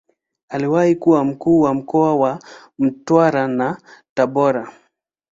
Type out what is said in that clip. Aliwahi kuwa Mkuu wa mkoa wa Mtwara na Tabora.